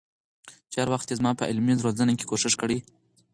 چې هر وخت يې زما په علمي روزنه کي کوښښ کړي